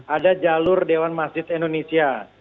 ada jalur dewan masjid indonesia